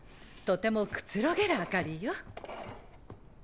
とてもくつろげる明かりよ。